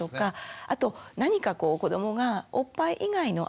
あと何かこう子どもがおっぱい以外の安心材料